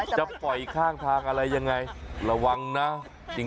จะปล่อยข้างทางอะไรยังไง